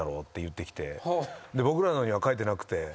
僕らのには書いてなくて。